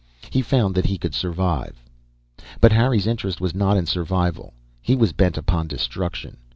He found that he could survive. But Harry's interest was not in survival; he was bent upon destruction.